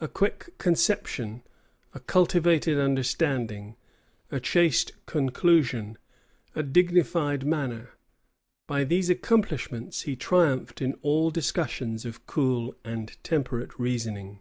A quick conception, a cultivated understanding, a chaste conclusion, a dignified manner; by these accomplishments he triumphed in all discussions of cool and temperate reasoning.